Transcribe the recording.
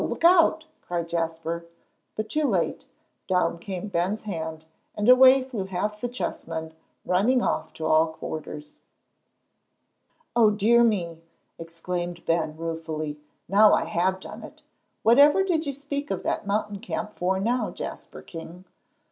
Look out!" cried Jasper. But too late; down came Ben's hand, and away flew half the chessmen, running off to all quarters. "O dear me!" exclaimed Ben, ruefully. "Now I have done it! Whatever did you speak of that mountain camp for now, Jasper King?"